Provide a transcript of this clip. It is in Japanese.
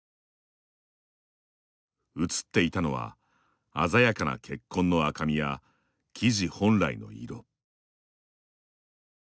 写っていたのは鮮やかな血痕の赤みや生地本来の色。